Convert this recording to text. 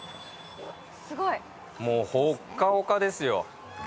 もうほっかほかですよ。